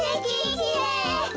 きれい。